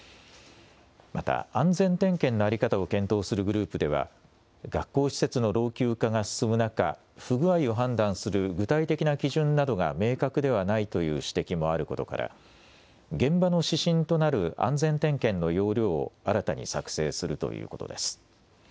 また安全点検の在り方を検討するグループでは学校施設の老朽化が進む中、不具合を判断する具体的な基準などが明確ではないという指摘もあることから現場の指針となる安全点検の要領を新たに作成するということです。